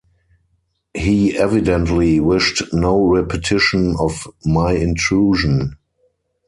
He evidently wished no repetition of my intrusion.